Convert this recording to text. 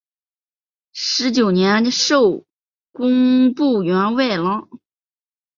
十九年授工部员外郎。